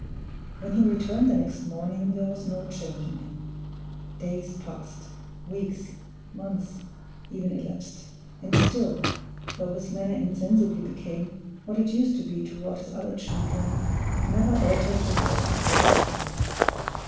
When he returned the next morning there was no change in him. Days passed weeks, months, even elapsed, and still, though his manner insensibly became what it used to be toward his other children, it never altered toward his eldest son.